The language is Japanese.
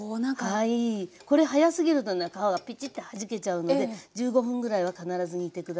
はいこれ早すぎるとね皮がピチッてはじけちゃうので１５分ぐらいは必ず煮て下さいね。